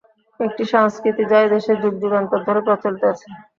একটি সংস্কৃতি যা এদেশে যুগ যুগান্তর ধরে প্রচলিত আছে।।